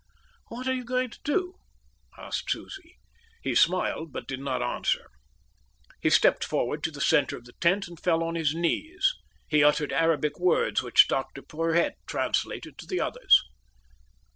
"What are you going to do?" asked Susie. He smiled but did not answer. He stepped forward to the centre of the tent and fell on his knees. He uttered Arabic words, which Dr. Porhoët translated to the others.